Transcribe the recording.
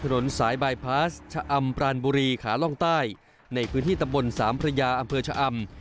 ถนนสายบายพาสชะอำปรานบุรีขาล่องใต้ในพื้นที่ตำบลสามพระยาอำเภอชะอำ